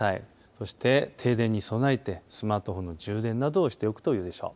そして停電に備えてスマートフォンの充電などしておくといいでしょう。